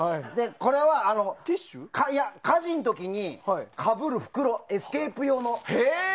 これは火事の時にかぶる袋エスケープ用の。